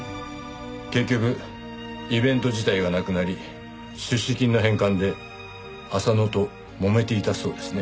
結局イベント自体がなくなり出資金の返還で浅野ともめていたそうですね。